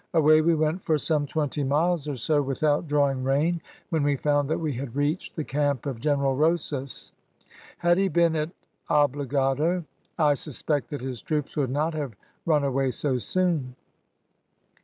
Away we went for some twenty miles or so without drawing rein, when we found that we had reached the camp of General Rosas. Had he been at Obligado, I suspect that his troops would not have run away so soon.